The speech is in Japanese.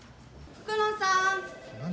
福野さん。